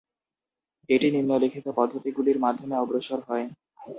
এটি নিম্নলিখিত পদ্ধতিগুলির মাধ্যমে অগ্রসর হয়।